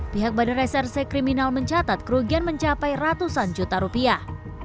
pihak badan reserse kriminal mencatat kerugian mencapai ratusan juta rupiah